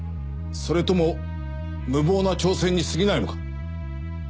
それとも無謀な挑戦にすぎないのか？